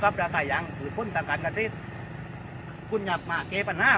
ครับละทัยยังคือคุณสักรรณคฤษคุณอย่ามาเกฟันน่า